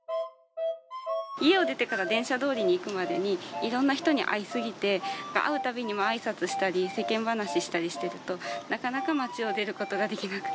家を出てから電車通りに行くまでにいろんな人に会いすぎて会う度にあいさつしたり世間話したりしているとなかなか町を出ることができなくて。